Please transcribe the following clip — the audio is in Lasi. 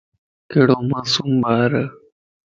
ڪھڙو معصوم ٻارائي